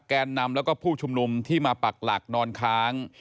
แกนนำแล้วก็ผู้ชุมนุมที่มาปักหลักนอนค้าง